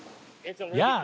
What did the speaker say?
やあ！